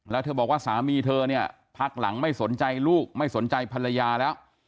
แล้วเธอบอกว่าสามีเธอเนี่ยพักหลังไม่สนใจลูกไม่สนใจภรรยาแล้ว